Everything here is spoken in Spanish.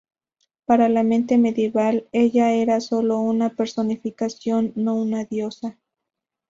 Para la mente medieval, ella era solo una personificación, no una diosa.